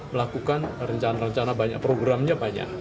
melakukan rencana rencana banyak programnya banyak